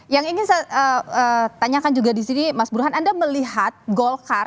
yang ingin saya tanyakan juga di sini mas buruhan anda melihat golkar ini hal yang sulit nih untuk di pecahkan